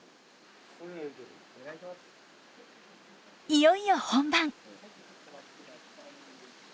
いよいよ本番。